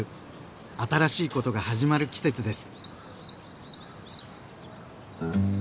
新しいことが始まる季節です。